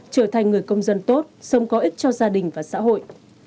trở thành người công dân tốt sống có ích cho gia đình và xã hội